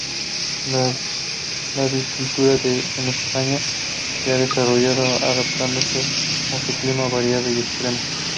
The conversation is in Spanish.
La viticultura en España se ha desarrollado adaptándose a su clima variado y extremo.